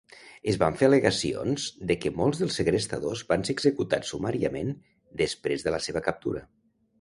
Es van fer al·legacions de que molts dels segrestadors van ser executat sumàriament després de la seva captura.